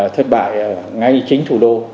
thất bại ngay chính thủ đô